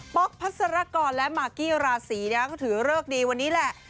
๊อกพัศรกรและมากกี้ราศีก็ถือเลิกดีวันนี้แหละ